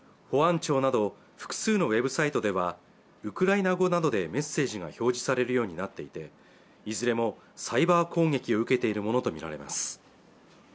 保安庁など複数のウェブサイトではウクライナ語などでメッセージが表示されるようになっていていずれもサイバー攻撃を受けているものと見られます